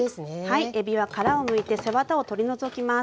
はいえびは殻をむいて背ワタを取り除きます。